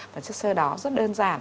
và chất sơ đó rất đơn giản